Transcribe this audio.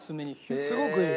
すごくいい。